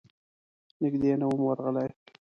نږدې نه وم ورغلی.